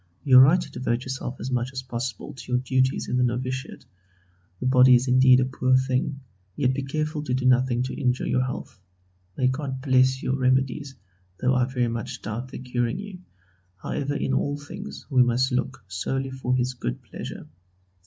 You are right to devote yourself as much as possible to your duties in the novitiate. The body is indeed a poor thing, yet be careful to do nothing to injure your health. May God bless your remedies, though I very much doubt their curing you: however, in all things we must look solely for His good pleasure.